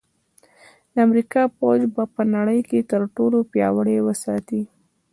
د امریکا پوځ به په نړۍ کې تر ټولو پیاوړی وساتي